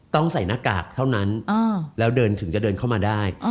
ต้องใส่หน้ากากเท่านั้นแล้วเดินถึงจะเดินเข้ามาได้